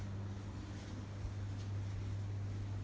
กลับมาร้อยเท้า